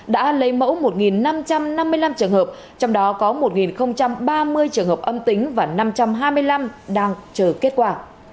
đã lấy mẫu một năm trăm năm mươi năm trường hợp trong đó có một ba mươi trường hợp âm tính và năm trăm hai mươi năm đang chờ kết quả